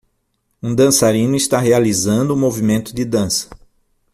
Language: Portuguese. Um dançarino está realizando um movimento de dança.